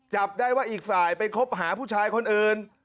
จับได้ว่าอีกฝ่ายไปคบหาผู้ชายคนอื่น